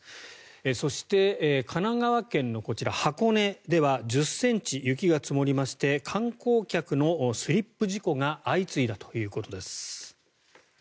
そして、神奈川県の箱根では１０ｃｍ雪が積もりまして観光客のスリップ事故が相次いだということです。